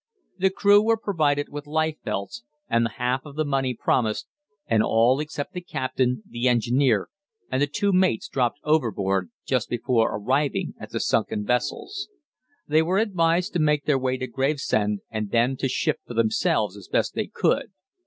The crew were provided with life belts, and the half of the money promised, and all except the captain, the engineer, and the two mates dropped overboard just before arriving at the sunken vessels. They were advised to make their way to Gravesend, and then to shift for themselves as best they could.